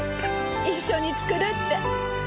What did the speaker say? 一緒に作るって。